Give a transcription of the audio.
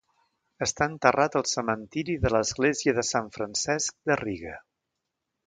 Està enterrat al cementiri de l'església de Sant Francesc de Riga.